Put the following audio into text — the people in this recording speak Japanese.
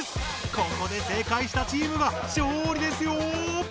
ここで正解したチームが勝利ですよ。